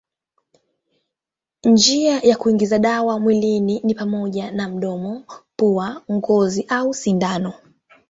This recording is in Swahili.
Njia za kuingiza dawa mwilini ni pamoja na mdomo, pua, ngozi au sindano.